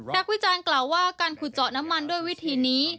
พระคุยจานกล่าวว่าการคู่เจาะน้ำมันด้วยวิธีนี้